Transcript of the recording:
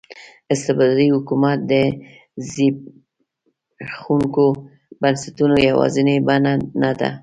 استبدادي حکومت د زبېښونکو بنسټونو یوازینۍ بڼه نه ده.